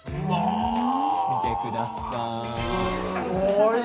見てください。